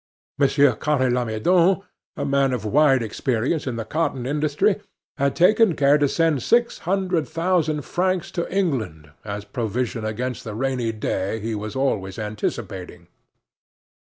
Monsieur Carre Lamadon, a man of wide experience in the cotton industry, had taken care to send six hundred thousand francs to England as provision against the rainy day he was always anticipating.